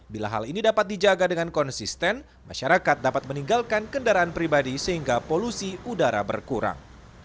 bila hal ini dapat dijaga dengan konsisten masyarakat dapat meninggalkan kendaraan pribadi sehingga polusi udara berkurang